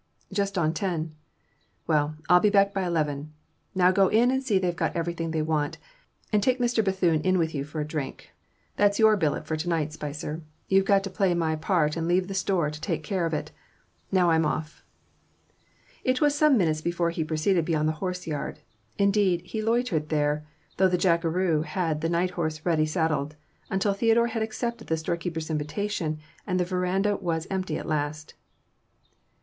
"Just on ten." "Well, I'll be back by eleven. Now go in and see they've got everything they want, and take Mr. Bethune in with you for a drink. That's your billet for to night, Spicer; you've got to play my part and leave the store to take care of itself. Now I'm off." But it was some minutes before he proceeded beyond the horse yard; indeed, he loitered there, though the jackeroo had the night horse ready saddled, until Theodore had accepted the storekeeper's invitation, and the verandah was empty at last.